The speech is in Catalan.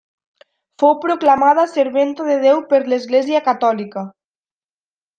Fou proclamada Serventa de Déu per l'Església catòlica.